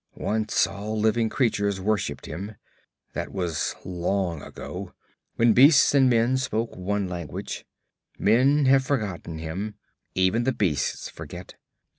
'Once all living things worshipped him. That was long ago, when beasts and men spoke one language. Men have forgotten him; even the beasts forget.